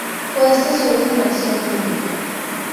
Fue esta su última acción pública.